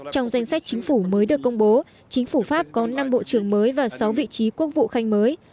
trong danh sách chính phủ mới được công bố chính phủ pháp có năm bộ trưởng mới và sáu vị trí quốc vụ khanh mới